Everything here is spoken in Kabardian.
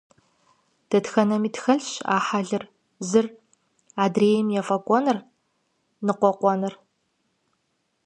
Дэтхэнэми тхэлъщ а хьэлыр – зыр адрейм ефӀэкӀыныр, ныкъуэкъуэныр.